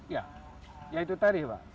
ya ya itu tadi pak